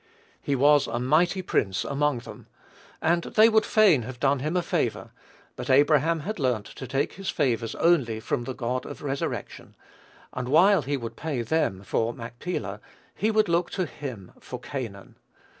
He was "a mighty prince among them," and they would fain have done him a favor; but Abraham had learnt to take his favors only from the God of resurrection, and while he would pay them for Machpelah, he would look to him for Canaan.